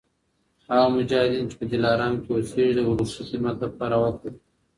هغه مجاهدین چي په دلارام کي اوسیږي د ولسي خدمت لپاره وقف دي